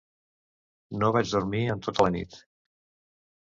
No vaig dormir en tota la nit.